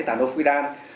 tảo nâu phú khuê đan